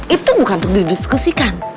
itu bukan untuk didiskusikan